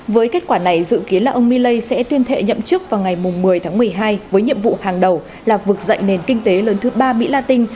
với kết quả này dự kiến là ông milley sẽ tuyên thệ nhậm chức vào ngày một mươi tháng một mươi hai với nhiệm vụ hàng đầu là vực dậy nền kinh tế lớn thứ ba mỹ la tinh